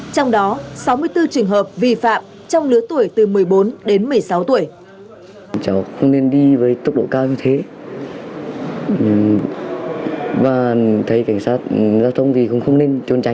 trong đó sáu mươi bốn trường hợp vi phạm trong lứa tuổi từ một mươi bốn đến một mươi sáu tuổi